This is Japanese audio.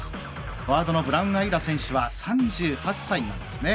フォワードのブラウンアイラ選手３８歳なんですね。